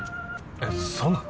えそうなの？